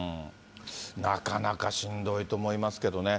なかなかしんどいと思いますけどね。